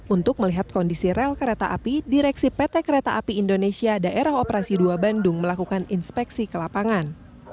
untuk melihat kondisi rel kereta api direksi pt kereta api indonesia daerah operasi dua bandung melakukan inspeksi ke lapangan